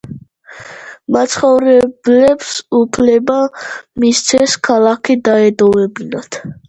მაცხოვრებლებს უფლება მისცეს ქალაქი დაეტოვებინათ.